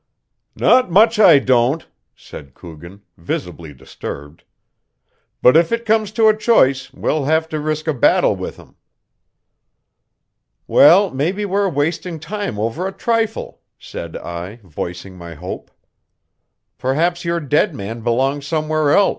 "Not much, I don't!" said Coogan, visibly disturbed. "But if it comes to a choice, we'll have to risk a battle with him." "Well, maybe we're wasting time over a trifle," said I, voicing my hope. "Perhaps your dead man belongs somewhere else."